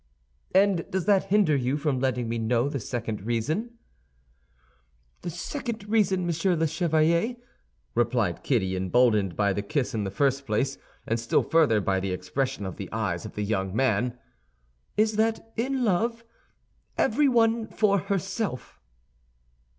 "And does that hinder you from letting me know the second reason?" "The second reason, Monsieur the Chevalier," replied Kitty, emboldened by the kiss in the first place, and still further by the expression of the eyes of the young man, "is that in love, everyone for herself!"